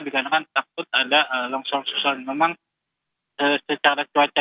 dikatakan takut ada longsor susun memang secara